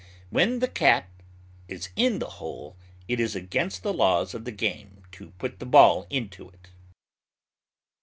When the Cat is in the Hole, it is against the laws of the game to put the ball into it.